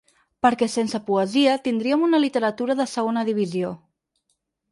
Perquè sense poesia tindríem una literatura de segona divisió.